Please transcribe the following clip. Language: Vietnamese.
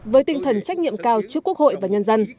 với tinh thần trách nhiệm cao trước quốc hội và nhân dân